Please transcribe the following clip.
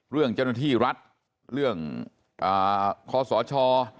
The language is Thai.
เรื่องเจ้าหน้าที่รัฐเรื่องข้อสอชอ